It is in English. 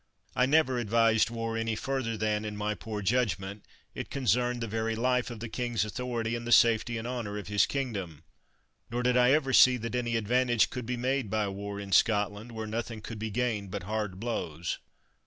I never advised war any fur ther than, in my poor judgment, it concerned the very life of the king's authority and the safety and honor of his kingdom. Nor did I ever see that any advantage could be made by a war in Scotland, where nothing could be gained but hard blows.